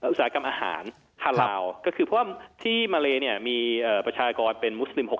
อุตสาหกรรมอาหารคาลาวก็คือเพราะว่าที่มาเลเนี่ยมีประชากรเป็นมุสลิม๖